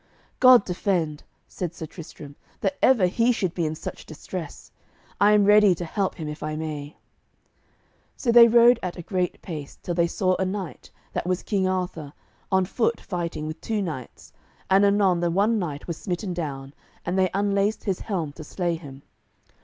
"God defend," said Sir Tristram, "that ever he should be in such distress. I am ready to help him if I may." So they rode at a great pace, till they saw a knight, that was King Arthur, on foot fighting with two knights, and anon the one knight was smitten down, and they unlaced his helm to slay him.